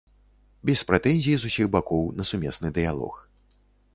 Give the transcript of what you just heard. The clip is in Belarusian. Без прэтэнзій з усіх бакоў на сумесны дыялог.